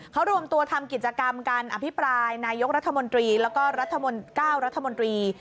เขารวมตัวทำกิจกรรมการอภิปรายนายกรัฐมนตรีแล้วก็รัฐมนตรี๙รัฐมนตรี